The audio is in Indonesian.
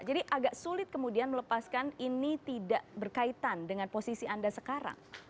jadi agak sulit kemudian melepaskan ini tidak berkaitan dengan posisi anda sekarang